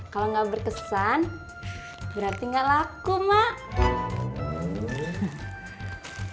kalau enggak berkesan berarti enggak laku mak